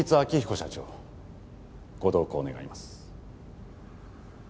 社長ご同行願います